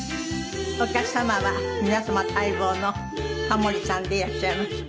お客様は皆様待望のタモリさんでいらっしゃいます。